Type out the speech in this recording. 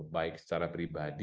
baik secara pribadi